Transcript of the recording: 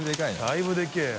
だいぶでけぇよ。